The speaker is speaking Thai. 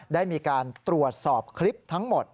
ได้มีการตรวจสอบคลิปทั้งหมด